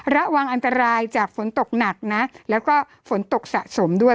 ระวังอันตรายจากฝนตกหนักนะแล้วก็ฝนตกสะสมด้วย